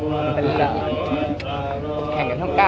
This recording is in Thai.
ที่ได้เป็นส่วนบังเกาะอันดังสัมบัติตัวเวียดขาจรรย์นสัมบัติตัวสุขต่อโรค